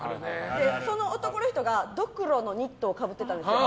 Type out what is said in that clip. その男の人がドクロのニットをかぶってたんですよ。